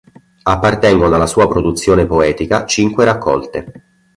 Appartengono alla sua produzione poetica cinque raccolte.